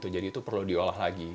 itu perlu diolah lagi